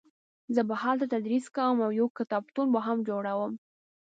زه به هلته تدریس کوم او یو کتابتون به هم جوړوم